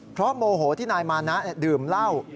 เพราะโมโหที่นายมานะดื่มเหล้า